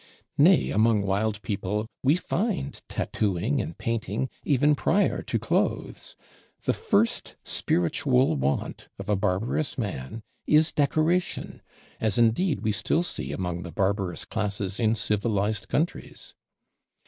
Nay, among wild people, we find tattooing and painting even prior to Clothes. The first spiritual want of a barbarous man is Decoration, as indeed we still see among the barbarous classes in civilized countries.